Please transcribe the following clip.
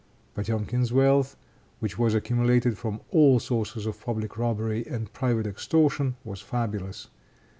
Potemkin's wealth, which was accumulated from all sources of public robbery and private extortion, was fabulous.